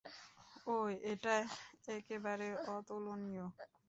ওহ, এটা একেবারে অতুলনীয়।